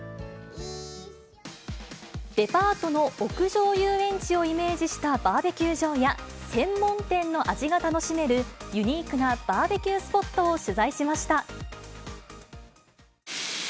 デパートの屋上遊園地をイメージしたバーベキュー場や、専門店の味が楽しめるユニークなバーベキュースポットを取材しました。